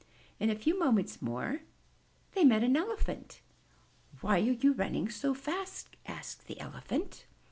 In a few moments more they met an Elephant. ''Why are you all running so fast?" asked the Elephant.